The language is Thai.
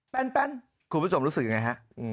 คุณผู้ชมรู้สึกยังไงฮะ